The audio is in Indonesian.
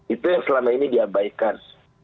itu yang selama ini diabaikan